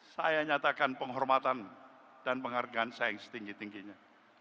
saya nyatakan penghormatan dan penghargaan saya yang setinggi tingginya